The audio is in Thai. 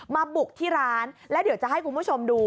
บุกที่ร้านแล้วเดี๋ยวจะให้คุณผู้ชมดู